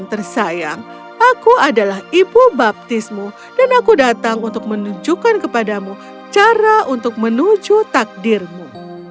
dan tersayang aku adalah ibu baptismu dan aku datang untuk menunjukkan kepadamu cara untuk menuju takdirmu